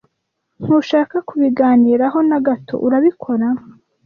Ntushaka kubiganiraho na gato, urabikora?